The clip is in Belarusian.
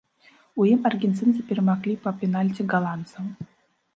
У ім аргенцінцы перамаглі па пенальці галандцаў.